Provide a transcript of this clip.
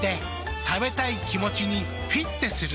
食べたい気持ちにフィッテする。